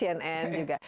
ya merek cnn juga